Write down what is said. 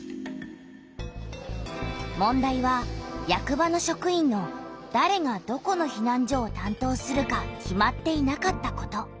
問題は役場の職員のだれがどこのひなん所をたんとうするか決まっていなかったこと。